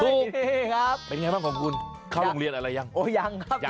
เป็นยังไงบ้างของคุณเข้าโรงเรียนอะไรยัง